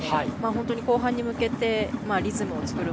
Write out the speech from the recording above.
本当に後半に向けてリズムを作る。